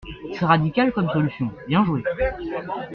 C'est radical comme solution, bien joué.